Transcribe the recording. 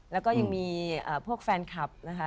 แล้วก็ยังมีพวกแฟนคลับนะคะ